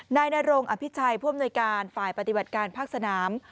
นายนรงอภิชัยผู้อำนวยการฝ่ายปฏิบัติการภาคสนาม